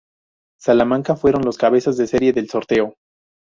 Salamanca fueron los cabezas de serie del sorteo.